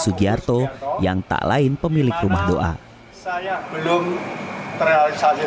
sugiarto yang tak lain pemilik rumah doa saya belum terrealisasi